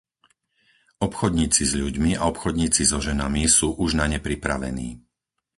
Obchodníci s ľuďmi a obchodníci so ženami sú už na ne pripravení.